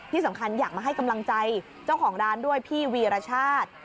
ที่สำคัญอยากมาให้กำลังใจเจ้าของร้านด้วยพี่วีรชาติ